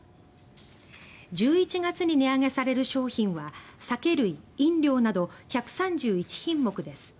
１１月に値上げされる商品は酒類・飲料など１３１品目です。